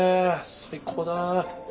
最高だ。